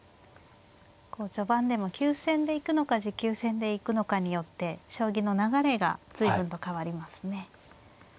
こう序盤でも急戦で行くのか持久戦で行くのかによって将棋の流れが随分と変わりますね。